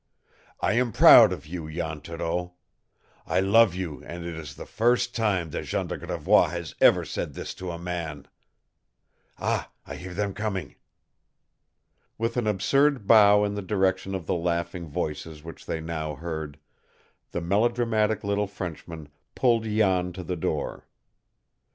I am proud of you, Jan Thoreau. I love you, and it is the first time that Jean de Gravois has ever said this to a man. Ah, I hear them coming!" With an absurd bow in the direction of the laughing voices which they now heard, the melodramatic little Frenchman pulled Jan to the door.